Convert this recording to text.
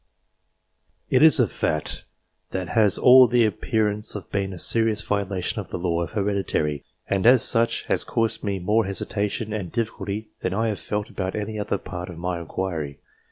It is a fact that has all the appearance of being a serious violation of the law of heredity, and, as such, has caused me more hesitation and difficulty than I have felt about any other part of my inquiry.